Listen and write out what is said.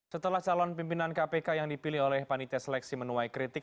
setelah calon pimpinan kpk yang dipilih oleh panitia seleksi menuai kritik